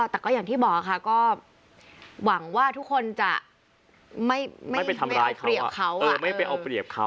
แต่ก็อย่างที่บอกค่ะก็หวังว่าทุกคนจะไม่ไปเอาเปรียบเขา